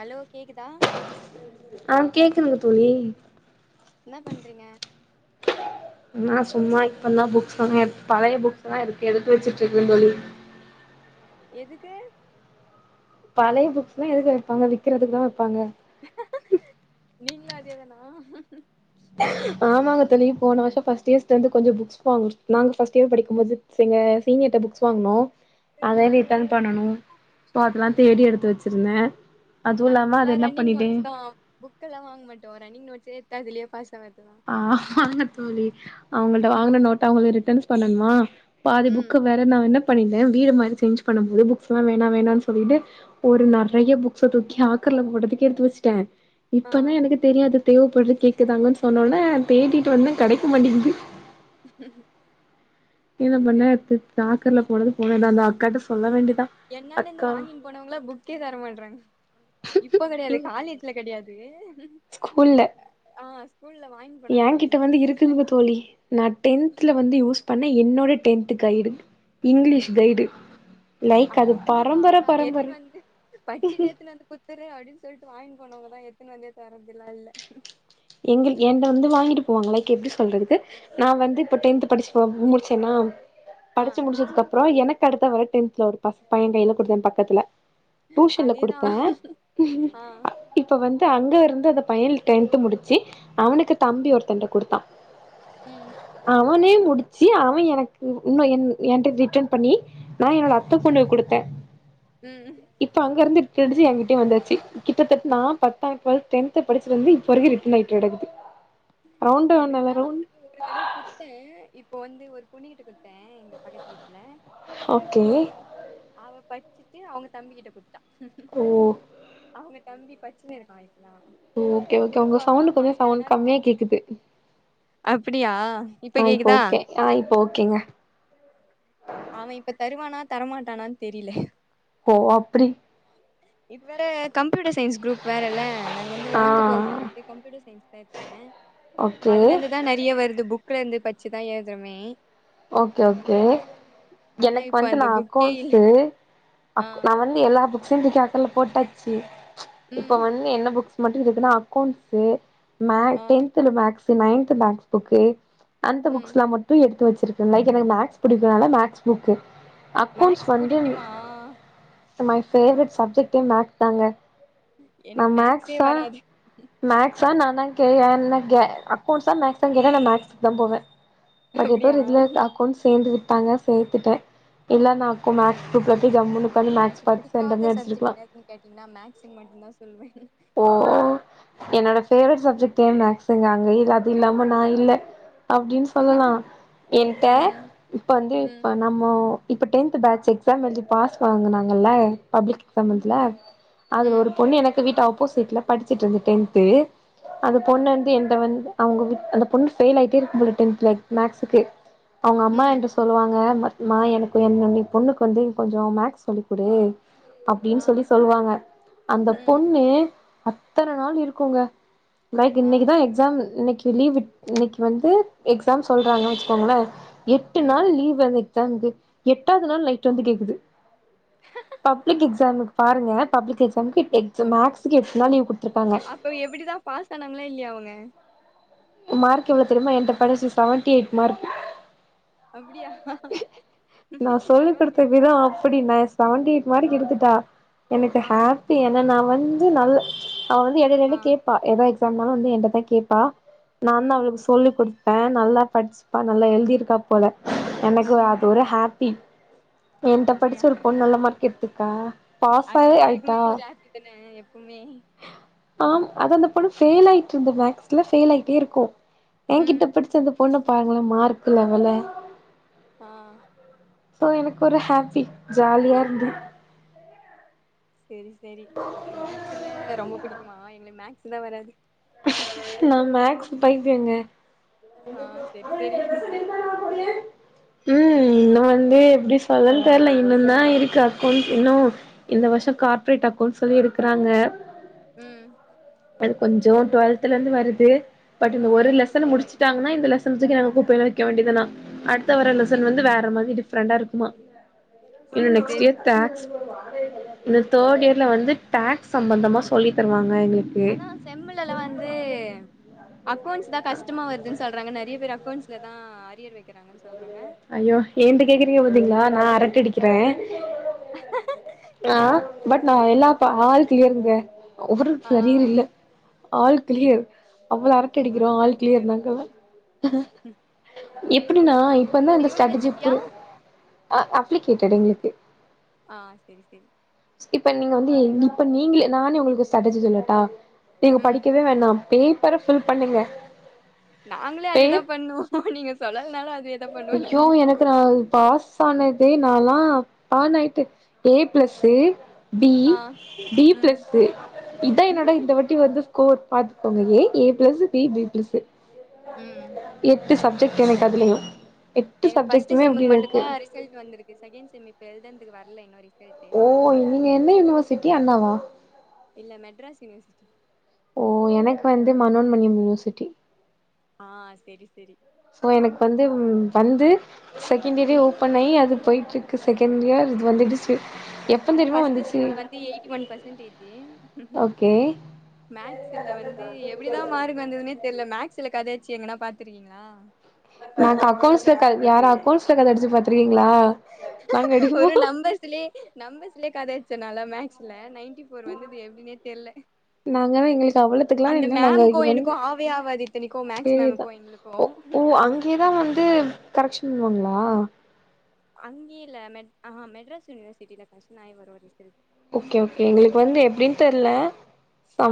hello கேக்குதா ஆ கேக்குதுங்க தோழி என்ன பண்றீங்க நா சும்மா இப்பந்தா புக்ஸ் எல்லா பழைய புக்ஸ்லா இருக்கு எடுத்து வச்சிட்ருக்கே தோழி எதுக்கு பழைய புக்ஸ் எல்லா எதுக்கு வெப்பாங்க விக்கிறதுக்குதா வெப்பாங்க நீங்களு அதே தானா ஆமாங்க தோழி போன வருஷ ஃபஸ்ட் இயர்ஸ்ட்டருந்து கொஞ்ச புக்ஸ் வாங்க நாங்க ஃபஸ்ட் இயர் படிக்கும்போது எங்க சீனியர்ட்ட புக்ஸ் வாங்குனோ அத ரிட்டர்ன் ம் பண்ணனு சோ அதுல்லா ம் தேடி எடுத்து வச்சிருந்த நாங்க ஃபுல்லா ரன்னிங் நோட்ஸ்தா புக்கெல்லா வாங்க மாட்டோ ரன்னி்ங் நோட்ஸ் எடுத்து அதுலயே பாஸ் ஆவது ஆ வாங்க தோழி அவுங்கள்ட்ட வாங்குன நோட்ட அவுங்களுக் ரிட்டர்ன் பண்ணணுமா பாதி ம் புக்கு வேற நா என்ன பண்ணிருந்த வீடு மாறி சேஞ்ச் பண்ணும் போது புக்ஸ்லா வேணா வேணான்னு சொல்லிட்டு ஒரு நெறைய புக்ஸ தூக்கி ஆக்க த்துல போட்றதுக்கு எடுத்து வச்ட்ட ஆ இப்பதா எனக்கு தெரியு அது தேவப்படுது கேக்குதாங்கன்னு சொன்னோன்னே தேட்டிட்டு வந்த கடைக்க மாட்டிங்குது என்ன செரி பண்ண செரி த தாக்கர்ல போனது போனதுதா அந்த அக்காட்ட சொல்ல வேண்டி என்னாண்டு இருந்து வாங்கின்னு போனவங்கல்லா புக்கே தர மாட்றாங்க இப்ப கெடையாது இங் காலேஜ்ல கெடையாது இது ஸ்கூல்ல வாங்கின்னு போனாங்க எங்கிட்ட எனக்கு வந்து புக் இருக்குதுங்க இல்லக்கா தோழி நான் டென்தல வந்து யூஸ் பண்ண என்னோட tenth guide English guide like அது அக்கா குடுக்கா பரம்பர நா பரம்பர எத்துன்னு வந்து படிச்சுட்டு எத்துன்னு வந்து குடுத்துற அப்படின்னு சொல்லிட்டு வாங்கன் போனங்வகதா எத்துன்னு வந்தே தர்தெல்லா இல்ல எங்கள் ஏன்ட்ட வந்து வாங்கிட்டு போவாங்க லைக் எப்படி சொல்றது நா வந்து இப்ப டென்த்து படிச்சு போ முடிச்சேன்னா ஆ படிச்சு முடிச்சதுக்கப்புற எனக்கு அடுத்த வர டென்த்ல ஒரு பச பைய கையில குடுத்த பக்கத்துல டூஷன்ல அதேதா குடுத்த ஆ இப்ப வந்து அங்க இருந் து அந்த பையல் டென்த்து முடிச்சு அவனுக்கு தம்பி ஒருத்தன்ட்ட குடுத்தா ம் அவனே முடிச்சு அவன் எனக்கு இன்னு என் என்ட்ட ரிட்டன் பண்ணி நா என்னோட அத்த ம் பொண்ணுக்கு குடுத்த ம் இப்ப அங்கருந்து கடைசியா ட்டே வந்தாச்சு கிட்டத்தட்ட நா பத்தா டுவெல் டென்த்து படிச்சிட்டு வந்து இப்ப வரைக்கு ரிட்டர்ன் ஆகிட்டு கெடக்குது ரவுண்டு எனக்கு நல்ல தா ரவுண்ட் அது ஒரு தடவ குத்தே இப்போ வந்து ஒரு பொண்ணிகிட்ட குத்த ட்டேன் எங்க பக்கத்து வீட்டுல ஓகே அவ பச்சிட்டு அவுங்க தம்பிக்கிட்ட குடுத்துட்டா ஓ அவங்க தம்பி பச்சுனு இருக்கான் இப் ஓகே ஓகே ஒங்க சவுண்ட் கொஞ்சோ சவுண்ட் கம்மியா கேக்குது அப்பிடியா ஆ இப்போ ஓகே ஆ இப்போ ஓகேங்க அவன் இப்ப தருவானா தரமாட்டானனு தெரியல ஓ அப்டி இது வேற கம் கம்யூட்டர் சயின்ஸ் குரூப் வேற இல்ல நா வந்து ஆ லெவன்த் டுவெல்துக்கு வந்து கம்யூட்டர் சயின்ஸ் தா எடுத்தே ஓகே அதுல இருந்துதா நெற்யா வருது புக்ல இருந்து பச்சுதா ஏழுதுமே ஓகே ஓகே ஆனா எனக்கு இப்ப வந்து அந்த நான புக்கே இல்ல அக்கொன்சு ஆ நான வந்து எல்லா ச சில் தூக்கி அட்துல போட்டாச்சு இப்ப ம் வந்து என்ன புக்ஸ் மட்டு இக்குன்னா அக்கொண்ட்சு ஆ மேக் டென்த்ல மேக்ஸ் நையன்த்ல மேக்ஸ் புக்கு அந்த ம் புக்ஸ்லா மட்டு எடுத்து வெச்சு லைக் எனக்கு மேக்ஸ் புடிக்குனால மேக்ஸ் புக்கு அக்கௌண்ட்ஸ் மேக்ஸ் வந்து புடிக்குமா மை ஆமா பேவரட் சப்ஜெக்டே மேக்ஸ் தாங்க நா எனக்கு மேக்ஸே மேக்ஸா வராது மேக்ஸா நா தா கேயே இல்லங்கெ அக்கவுண்ட்ஸ மேக்ஸன்னு கேட்டா நா மேக்ஸ் தா போவே பட் ஏதோ அப்டியா ஒரு இதுல அக்கௌண்ட் சேந்து விட்டாங்க சேத்துட்டே இல்ல நாக்கு மேக்ஸ் ரூப் பெடுது ஜம்முனு உக்காந்து எனக்கு மேக்ஸ் பாத்து பிடிக்காத சென்டமே அடிச்சிருக்கலா சப்ஜெக்ட் எதுன்னு கேட்டீங்கன்னா மேக்ஸ்ன்னு மட்டும்தா சொல்லுவே ஓ ஓ என்னோட பேவரட் சப்ஜெக்ட்யே மேக்சுங்க மேய்ல் அது இல்லாம நா இல்ல அப்படின்னு சொல்லலா என்ட்ட ம் இப்ப வந்து ம் இப்ப நம்மொ இப்ப டென்த் பேட்சு எக்ஸாம் எழுதி பாஸ் வாங்குனாங்கல்ல பப்ளிக் கம்பொட்ல ம் அதுல ம் ஒரு பொண்ணு எனக்கு வீட்டு அப்போசிட்ல படிச்சுட்டு இருந்து டென்து அந்த ஆ பொண்ணு வந்து என்ட வந்து அவுங்க அந்த பொண்ணு ஃபெயில் ஆகிட்டே இருக்கு போல டென்த்க்கு மேக்சுக்கு அவுங்க அம்மா ம் என்ட சொல்லுவாங்க பத்மா எனக்கு என் பொண்ணுக்கு வந்து கொஞ்சோ மேக்ஸ் சொல்லிகுடு ஆ அப்டின்னு சொல்லி சொல்லுவாங்க அந்த ம் பொண்ணு அத்தன நாள் இருக்குங்க லைக் ஆ இன்னைக்குதா எக்ஸாம் இன்னைக்கி லீவ் வீட் இன்னைக்கி வந்து எக்ஸாம் ம் சொல்றாங்க வச்சுக்கோங்களே எட்டு ம் நாள் லீவ் வந் தந்து எட்டாவது நாள் நைட் வந்து கேக்குது பப்ளிக் எக்ஸாமக்கு பாருங்க பப்ளிக் எக்ஸாமுக்கு டென்த் மாக்ஸ்ர்சுக்கு எட்டு நாள் லீவ் போ அப்போ எப்டிதா பாஸ்னாங்களா இல்லையா அவுங்க மார்க் எவ்வளவு தெரியுமா என்ட படிச்சு சவென்டி எயிட் மார்க் அப்டியா நா சொல்லி கொடுத்த பரவாயில்லையே விதோ அப்டி நா சவென்டி எயிட் மார்க் எடுத்துட்டா எனக்கு ஆ ஹாப்பி ஏன்னா நா வந்து நல்ல அவ வந்து இடைல ஆ இடைல கேட்பா ஏதா இருந்தாலு வந்து ஏன்ட்ட தா கேப்பா நா தா ம் அவளுக்கு சொல்லி குடுத்து பே நல்லா படிச்சுப்பா நல்லா எழுதிருக்கா போல எனக்கு ம் அது ஒரு ஹாப்பி ஏன்ட்ட படிச்ச அப்டியா ஒரு பொண்ணு நல்ல மார்க் எடுத்ருக்கா அது எல்லாருக்குமே ஒரு ஹாப்பி தான எப்பவுமே ஆம் அது அந்த பொண்ணு ஃபெயில் ஆயிட்டு இருந்த மேக்ஸ்ல பெயில் ஆயிட்டே இருக்கு ஏ கிட்ட ம் படிச்ச அந்த பொண்ணு பாருங்களே மார்க்கு லெவல அ சோ எனக்கு ஒரு ஹாப்பி ஜாலியா இருந்து சேரி சேரி அப்ப மேக்ஸ்ல ரொம்ப பிடிக்குமா எங்களுக்கு மேக்ஸ்லா வராது நா மேக்ஸ் பைத்தியோங்க ஆ செரி அவ நா செரி டிரெஸ் நித்தனா கொரியேன் உம் இன்னு வந்து எப்டி சொல்லன்னு தெர்ல இன்னொன்னா இருக்கு அக்கொண்ட்சு இன்னு இந்த வர்ஷோ கார்ப்ரேட் அக்கொண்ட் சொல்லி இருக்குறாங்க ம் அது கொஞ்சம் டுவெல்த்ல இருந்து வருது பட் இந்த ஒரு ம் லெசன் முடிச்சு ட்டாங்கன்னா இந்த லெசன் தூக்கி நாங்க குப்பைல வைக்க வேண்டியதுதா அடுத்த வர லெசன் வேற மாதிரி ஃப்ரெண்டா இருக்குமா இன்னும் செரி நெக்ஸ்ட் செரி இயர் டாக்ஸ் இந்த தேர்ட் இயர்ல வந்து டாக்ஸ் சம்பந்தமா சொல்லி தருவாங்க எங்களு ஆனா செம்முளல வந்து அக்கவுண்ட்ஸ் தான் கஷ்டமா வருதுன்னு சொல்றாங்க நிறைய பேர் அக்கவுன்ஸ்ல தான் அரியர் வைக்கிறாங்க ஐயோ ஏண்ட கேக்குறீங்க பாத்தீங்களா நான் அரட்ட அடிக்கிறேன் ஆ பட் கேக்குறே நான் எல்லா ஆல் க்ளியர்ங்க ஒரு ஆ சரியர் இல்ல ஆள் க்ளியர் அவ்ளோ அறட்ட அடிக்கிறோம் ஆள் ஆனுவல் க்ளியர் இயர் நாங்கல்லா எப்டகனா இப்ப தான் இந்த உங்கள்து ஸ்டட்டஜி யூனிவர்சிட்டியா புரி அப்ளிகேட்டட் எங்களுக்கு ஆ செரி செரி இப்ப நீங்க வந்து இப்ப நீங்களே நானே உங்களுக்கு ஸ்டாட்டஜி சொல்லட்டா நீங்க ம் படிக்கவே வேண்ணாம் பேப்பர ஃபில் பண்ணுங்க நாங்களும் அதேதான் பேப் பண்ணுவோம் நீங்க சொல்லலனாலும் அதையே தான் பண்ணுவோ நாங்க ஸ் ஆனதே நாலாம் ஆன் ஆயிட்டு ஏ பிளஸ்சு பி ஆ பி ம் பிளஸ் இதான் என்னோட இந்த வாட்டி வந்து ஸ்கோர் பார்த்துக்கோங்க A A plus B B plus ம் எட்டு சப்ஜெக்ட் எனக் அதுலயும் எங்களுக்கு ஃபஸ்ட் செம்முக்கு மட்டும் தான் ரிசல்ட் வந்திருக்கு செகண்ட் செம் இப்ப எழுதுனதுக்கு வரல இன்ன வரைக் ஓ நீங்க என்ன யூனிவர்சிட்டி அண்ணாவா இல்ல மெட்ராஸ் யுனிவர்சிட்டி ஓ எனக்கு வந்து மனோன்மணியம் யூனிவர்சிட்டி ஆ செரி செரி சோ எனக்கு வந்து வந்து செகண்ட் இயரே ம் ஓப்பன் ஆகி அது போய்ட்டுருக்கு செகெண்ட் இயர் இது வந்துடுச்சு ஆனா ஃபஸ்ட் செம் வந்து எய்ட்டி ஒன் பெர்சன்டேஜ் ஓகே மேக்ஸ்ல வந்து எப்டிதான் மாார்க் வந்ததுனே தெரியல மேக்ஸ்ல கதய டிச்சு எங்கன்னா பாத்திருக்கீங்களா நாங்க அக்கவுண்ட்ஸ்ல கத யாரும் அக்கவுண்ட்ஸ்ல கத அடிச்சி பாத்ருக்கீங் ஒரு நம்பசிலயே நம்பசிலயே கத அச்ச நெலம மேக்ஸ்ல நைன்டி வோர் வந்தது எப்டின்னே தெர்ல நாங்கலா எங்களுக்கு அவ்வளத்துக்குலா அந்த இல்ல நாங்க மேம்முக்கும் வந்து எனக்கும் ஆவேயாவாது யித்தனிக்கும் மேக்ஸ் சேரிதா மேம்முக்கும் ஓ எங்களுக்கும் ஓ அங்கேயேதான் வந்து கரெக்ஷன் பண்ணுவாங்களா அங்கேயெ இல்ல ஆஹ மெட்ராஸ் யூனிவர்சிட்டில கரெக்ஷன் ஆகி வரும் ரிசல் ஓகே ஓகேங் எங்களுக்கு வந்து எப்டினு தெரியல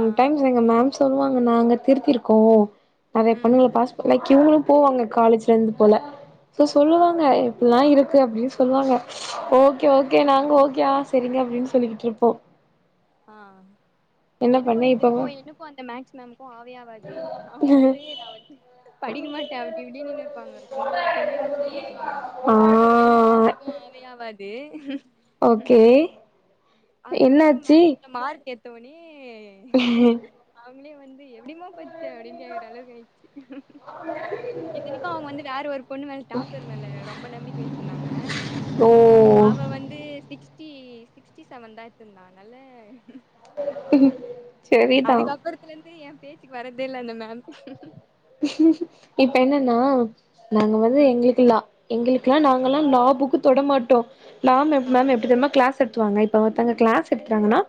ஆ டைம்ஸ் எங்க மேம்ஸ் சொல்லுவாங்க நாங்க திருத்திருக்கோம் நிறைய ம் பொண்ணுங்க பாஸ் பலை இவுங்களும் போவாங்க காலேஜ்ல இருந்து போல சோ ஆ சொல்லுவாங்க இப்டில்லாம் இருக் கு அப்டின்னு சொல்லுவாங்க ஓகே ஓகே நாங்க ஓகே ஆ சரிங்க அப்படின்னு சொல்லிக்கிட்டு இருப்போம் ஆ எனக்கும் இத்தினைக்கும் இப்ப எனக்கும் அந்த மேக்ஸ் மேமுக்கும் ஆவைய ஆவாது அவங்க வந்து நான் வந்து படிக்கமா ட்டே அப்டி இப்படி நின்னு இருப்பாங்க சும்மா கட்டியுமே மூஞ்சு காட்டுவாங்க ஆ எனக்கு அவங்களுக்கும் ஆவே ஆவா து ஓகே அதுக்கப்புறோ என்னாச்சு மேக்ஸ்ல மார்க் எத்தோனே உஹம் ஒனே வந்து எப்டிமா பச்ச அப்டின்னு கேக்ற அளவுக்கு ஆயிச்சு இத்தனைக்கும் அவங்க வந்து வேற ஒரு பொண்ணு மேல டாப்பரு மேல ரொம்ப நம்பிக்கை வெச்சிருந்தாங்க ஓ அவ வந்து சிக்ஸ்டி சிக்ஸ்டி செவன் தா எத்துருந்த அதுனால உஹம் அதுக்கப்பறத்துலந்து எ பேச்சுக்கு வரதே இல்ல அந்த மேம் இப்ப என்னன்னா நாங்க வந்து ம் எங்குளுக்கு லா எங்குளுக்லா நாங்கல்லா லா புக்கு தொட மாட்டோ லா மெ ஆ மேம் எப்டி தெரிமா கிளாஸ் தத்துவாங்க இப்ப ஒருத்தங்க கிளாஸ் எடுத்துட்டாங்கன்னா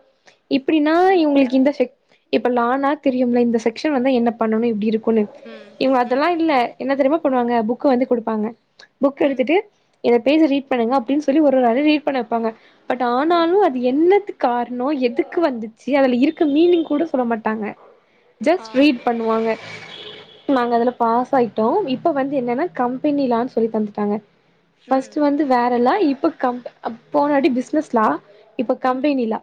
இப்பிடின்னா ம் இவுங்குளுக்கு இந்த செக் இப்ப லானா தெரியும்ல இந்த செக்ஷன் வந்தா என்ன பண்ணணு இப்டி இருக்குனு ம் இவுங்க ம் அதல்லா இல்ல என்ன தெரிமா பண்ணுவாங்க புக்க வந்து குடுப்பாங்க புக் ம் எடுத்துட்டு இந்த பேஜ ரீட் பண்ணுங்க அப்டின் சொல்லி ஒரு ஒரு ஆள ரீட் பண்ண வெப்பாங்க பட் ஆனாலு அது என்னத்து கார்ணோ எதுக்கு வந்துச்சி அதுல இருக்க மீனிங் கூட சொல்ல மாட்டாங்க ஆ ஜஸ்ட் ரீட் பண்ணுவாங்க நாங்க அதுல பாஸ் ஆயிட்டோ இப்ப வந்து என்னன்னா கம்பெனிலான் சொல்லி தந்துட்டாங்க ம் பஸ்ட்டு வந்து வேற லா இப்ப கம்ப் அ போனாடி பிஸ்னஸ்லா இப்ப ம் கம்பெனி லா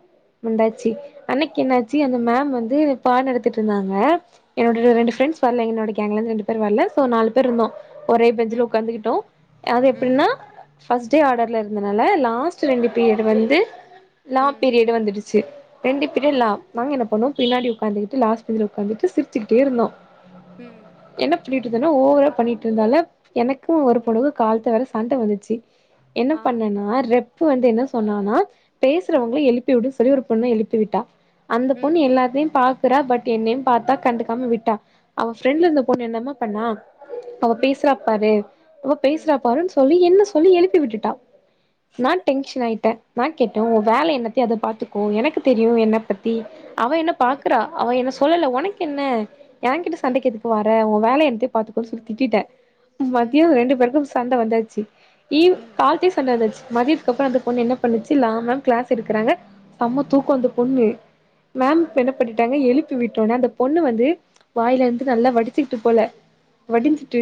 வந்தாச்சி அன்னிக்கி என்னாச்சி ஆ அந்த மேம் வந்து பாட் நடத்திட்ருந்தாங்க என்னோடய ர ம் ரண்டு ஃப்ரெண்ட்ஸ் வர்ல என்னோட கேங்லந்து ரெண்டு பேர் வல்ல சோ நாலு பேர் இருந்தோ ஒரே பெஞ்ல ம் உக்காந்துகிட்டோ அ அது ம் எப்பிடின்னா ஃபஸ்ட் டே ஆடர்ல இருந்தனால லாஸ்ட் ரெண்டு பீரியடு வந்து லா ம் பீரியடு வந்துடுச்சு ரெண்டு பீரிய லா நாங்க என்ன பண்ணோ ம் பின்னாடி உக்காந்திகிட்டு லாஸ் பெஞ்ல உக்காந்திட்டு சிரிச்சிகிட்டே இருந்தோ ம் சொல்லிட்டு இருந்தனா ஓவரா பண்ணிட்ருந்தாலா எனக்கு ஒரு ம் பொணுகு கால்த்த வேற சண்ட வந்துச்சி என்ன ஆ பண்ணனா ரெப்பு வந்து என்ன சொன்னானா ம் பேசுறவங்ள எழுப்பி உடு ஒரே ஒரு பொண்ண எழுப்பி விட்டா அந்த ம் பொண்ணு எல்லாத்தையும் பா க்றா பட் என் நேம் பாத்தா கண்டுக்காம விட்டா அவ ஃப்ரெண்ல ம் இருந்த பொண்ணு என்னமா பண்ணா அவ ம் ம் பேசுறாப்பாரு அவ ம் பேசுறாப்பாருன் சொல்லி என்ன சொல்லி எழுப்பி விட்டுட்டா நா டென்ஷ்ன் ஆயிட்டே நா கேட்டே உ வேலை என்னத்தியோ அத பாத்துக்கோ எனக்கு தெரியு என்ன பத்தி அவ என்ன ம் பாக்குறா அவ என்ன சொல்லல உனக்கென்ன ஏங்கிட்ட ம் சண்டக்கி எதுக்கு வார உ வேல என்த்தியோ பாத்துக்கோன் சொல்லி திட்டிட்டே ம் மதியோ ரெண்டு பேருக்கு சண்ட வந்தாச்சி ஈவ் ம் கால்த்தியே சண்ட வந்தாச்சி மதியத்கப்புறோ அந்த பொண்ணு என்ன பண்ணுச்சி லா மேம் கிளாஸ் எடுக்றாங்க சம்ம தூக்கோ ம் அந்த பொண்ணு மேம் ம் ப்ப என்ன பண்ணிட்டாங்க எழு ப்பி விட்டோன அந்த பொண்ணு வந்து வாயிலந்து நல்லா வடிச்சிக்கிட்டு போல ம் வடிஞ்சுட்டு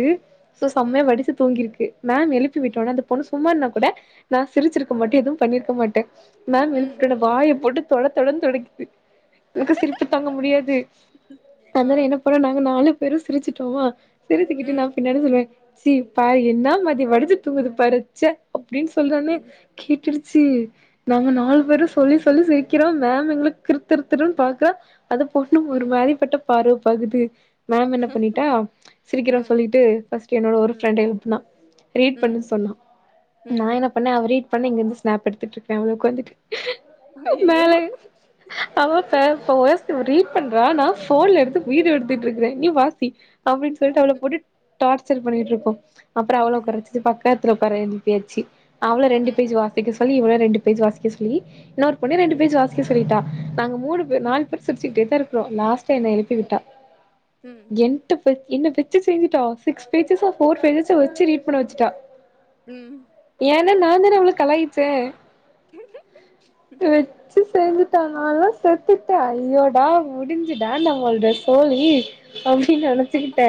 சோ ம் செம்மயா வடிச்சு தூங்கிருக்கு மேம் எழுப்பி விட்டொன அந்த பொண்ணு சும்மான்னா கூட நா சிரிச்சிருக்க மாட்டே எதுவும் பண்ணிருக்க மாட்டே மேம் ம் எழுப்பிட்டொன வாய போட்டு தொட தொடன் தொடக்கிது எனக்கு சிரிப்பு தாங்க முடியாது ஆ அதனால என்ன பண்ணணா நாலு பேரு சிரிச்சிட்டோமா சிரிச்சுக்கிட்டு நா ம் பின்னாடி சொல்லுவே சி பா என்னா ம வடிஞ்சு தூங்குது பாரு ச்ச அப்டின் சொல்றான்னே ம் கேட்டுடுச்சி நாங்க நாலு ம் பேரு சொல்லி சொல்லி சிரிக்கிறோ மேம் எங்ள கிரு திரு திருன் பாக்றா அந்த பொண்ணும் ம் ஒரு மாரி பட்ட பார்வ பாக்குது மேம் என்ன பண்ணிட்டா சிரிக்கிறோ சொல்லிட்டு ஃபஸ்ட்டு என்னோட ஒரு ம் ஃபிரெண்ட எழுப்னா ரீட் ம் பண்ணு சொன்னா நா ம் என்ன பண்ணே அவ ரீட் பண்ண இங்கிந்து ஸ்னேப் எடுத்துட்ருக்கே அவள உக்காந்திட்டு அய்யய்யோ மேலை அவ ஃபே ஃபோ எஸ் இவ் ரீட் பண்றா நா ஃபோன்ல எடுத்து வீடியோ எடுத்துட்ருக்றே நீ வாசி அப்டின் சொல்லிட்டு அவள ம் போட்டு டார்ச்சர் பண்ணிட்ருக்கோ அப்பறோ அவள உக்காரா வெச்சிட்டு பக்கத் தில உக்கார எழுப்பியாச்சி அவ்ள ரெண்டு ம் பேஜு வாசிக்க சொல்லி இவள ரெண்டு பேஜு வாசிக்க சொல்லி இன்னோர் பொண்ணியு ரெண்டு பேஜு ம் வாசிக்க சொல்லிட்டா நாங்க மூனு பேர் நாலு பேரு சிரிச்சிகிட்டே தாரு ப்றோ லாஸ்ட்டா என்ன எழுப்பி விட்டா ம் என்ட்ட ப என்ன வெச்சி செஞ்சிட்டா சிக்ஸ் பேஜஸா ஃபோர் பேஜஸா வெச்சி ரீட் பண்ண வெச்சிட்டா ம் எனா நாந்தானே அவள கலாயிச்சே வெச்சி செஞ்சுட்டா நால்லா செத்துட்டே ஐயோடா முடிஞ்சுடா நம்மள்து சோலி அப்டி நெனச்சுக்கிட்டே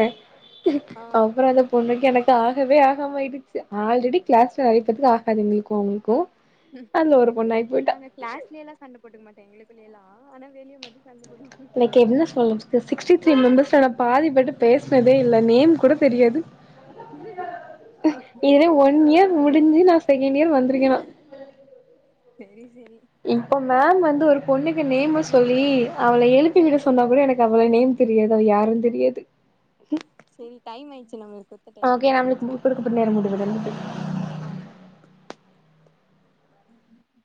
ஆ ம் அப்றோ அந்த பொண்ணு எனக்கு ஆகவே ஆகாமாயிடுச்சு ஆல்ரெடி கிளாஸ்ல நெறையபேத்துக்கு ஆகாது எங்களுகு அவுங்களுகு ம் நாங்க கிளாஸ்லயெல்லா சண்ட போட்டுக்க மாட்ட எங்களுக்குல்லயெல்லா ஆனா வெளிய மட் உனக்கு என்ன சொல்ல சிக்ஸ்டி த்ரீ மெம்பர்ஸ் நா பாதிபேர்ட பேசினதே இல்ல நேம் கூட தெரியாது ம் இதுவே ஒன் இயர் முடிஞ்சு நா செகண்ட் இயர் வந்திருக்கே நா சேரி இப்போ மேம் வந்து ஒரு பொண்ணுக்கு நேம்மு சொல்லி அவள எழுப்பி விட ம் சொன்னா கூட எனக் அவ்வள நேம் தெரியாது அவ யாருன் தெரியாது ம் செரி டைம் ஆயிடுச்சு நம்மளுக்கு குடுத்த டைம் ஓகே நம்மளுக் குடுக்கப்பட்ட நேரம் முடிந்தது அ ம்